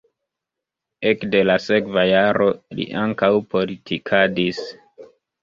Ekde la sekva jaro li ankaŭ politikadis.